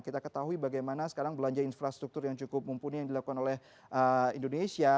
kita ketahui bagaimana sekarang belanja infrastruktur yang cukup mumpuni yang dilakukan oleh indonesia